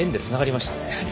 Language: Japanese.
つながりましたね。